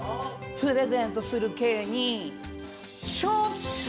プレゼントする刑に処す！